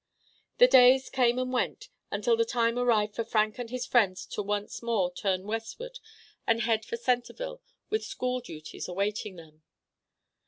The days came and went, until the time arrived for Frank and his friends to once more turn westward and head for Centerville, with school duties awaiting them.